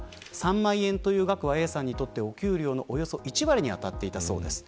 ３万円という額はＡさんにとってお給料の１割にあたっていたそうです。